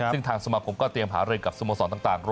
ซึ่งทางสมาคมก็เตรียมหารือกับสโมสรต่าง